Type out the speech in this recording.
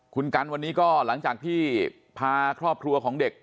คุณกันวันนี้ก็หลังจากที่พาครอบครัวของเด็ก